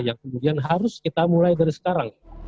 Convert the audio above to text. yang kemudian harus kita mulai dari sekarang